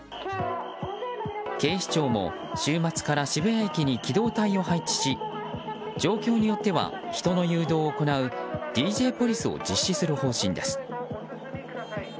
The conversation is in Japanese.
警視庁も週末から渋谷駅に機動隊を配置し状況によっては、人の誘導を行うＤＪポリスを実施する方針です。